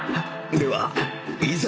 ではいざ！